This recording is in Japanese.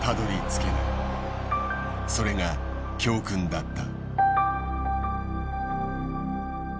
それが教訓だった。